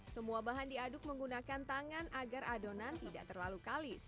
semua bahan diaduk menggunakan tangan agar adonan tidak terlalu kalis